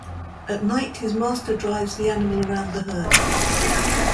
At night, his master drives the animal around the herd.